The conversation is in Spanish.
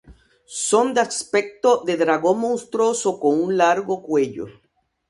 Son de aspecto de dragón monstruoso con un largo cuello.